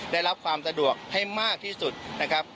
ได้รับความสะดวกให้มากที่สุดนะครับ